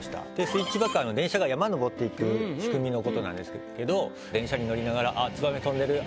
スイッチバック電車が山登っていく仕組みのことなんですけど電車に乗りながら。